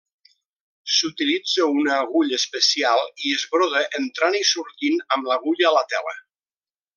S'utilitza una agulla especial i es broda entrant i sortint amb l'agulla a la tela.